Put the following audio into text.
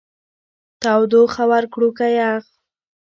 تودوخه ورکړو که يخ؟